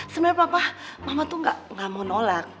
sebenernya papa mama tuh nggak mau nolak